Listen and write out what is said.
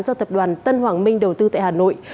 do tập đoàn tân hoàng minh đầu tư tại hà nội